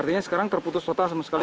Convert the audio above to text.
artinya sekarang terputus total sama sekali